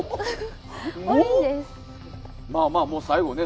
まあ、もう最後ね。